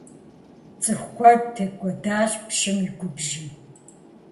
ЦӀыху куэд текӀуэдащ пщым и губжьым.